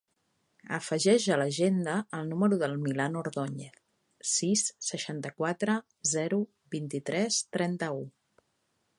Afegeix a l'agenda el número del Milan Ordoñez: sis, seixanta-quatre, zero, vint-i-tres, trenta-u.